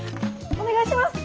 お願いします！